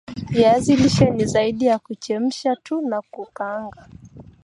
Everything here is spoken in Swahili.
viazi lishe ni zaidi ya kuchemsha tu na kukaanga